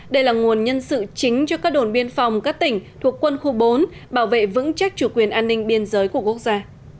đây là nguồn nhân sự chính cho các đồn biên phòng các tỉnh thuộc quân khu bốn bảo vệ vững chắc chủ quyền an ninh biên giới của quốc gia